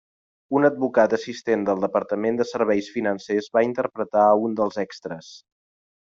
Un advocat assistent del Departament de Serveis Financers va interpretar a un dels extres.